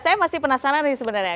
saya masih penasaran nih sebenarnya